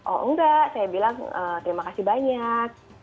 oh enggak saya bilang terima kasih banyak